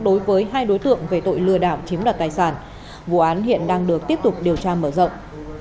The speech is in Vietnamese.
đối với hai đối tượng về tội lừa đảo chiếm đoạt tài sản vụ án hiện đang được tiếp tục điều tra mở rộng